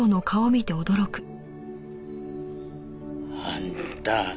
あんた。